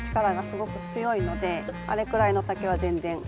力がすごく強いのであれくらいの竹は全然。